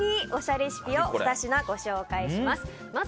レシピを２品ご紹介します。